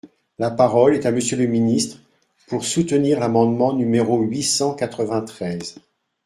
La parole est à Monsieur le ministre, pour soutenir l’amendement numéro huit cent quatre-vingt-treize.